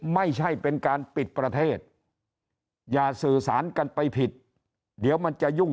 ไม่ใช่เป็นการปิดประเทศอย่าสื่อสารกันไปผิดเดี๋ยวมันจะยุ่ง